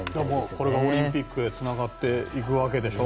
これがオリンピックにつながっていくわけでしょ。